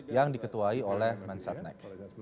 yang diketuai oleh mensatnek